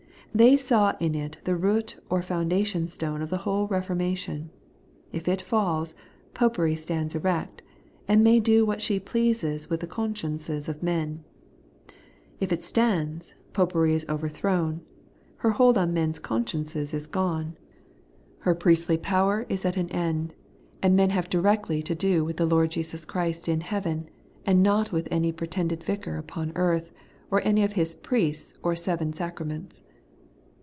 They saw in it the root or foimdation stone of the whole Eeformation. If it falls. Popery stands erect, and may do what she pleases with the consciences of men. If it stands. Popery is overthrown; her hold on men's consciences is gone; her priestly 160 The Everlasting Eighteousness. power is at an end, and men have directly to do with the Lord Jesus Christ in heaven, and not with any pretended vicar upon earth, or any of his priests or seven sacraments.